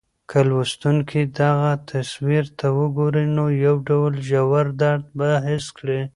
که لوستونکی دغه تصویر ته وګوري، نو یو ډول ژور درد به حس کړي.